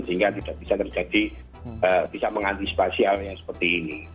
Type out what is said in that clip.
sehingga tidak bisa terjadi bisa mengantisipasi hal yang seperti ini